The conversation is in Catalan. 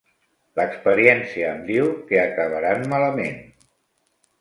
L'experiència em diu que acabaran malament.